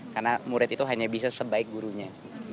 karena murid itu hanya bisa sebaik gurunya